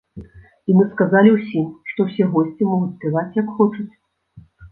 І мы сказалі ўсім, што ўсе госці могуць спяваць як хочуць.